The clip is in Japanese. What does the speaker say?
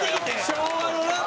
昭和のな。